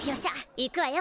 いくわよ